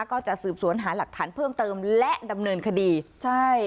ก็จะสืบสวนหาหลักฐานเพิ่มเติมและดำเนินคดีใช่